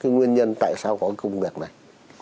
nguyên nhân tại sao có công việc này